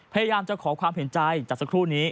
พยายามจะขอความเห็นใจจากสักครู่นี้